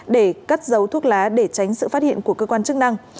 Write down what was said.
để cắt dấu thuốc lá để tránh sự phát hiện của cơ quan chức năng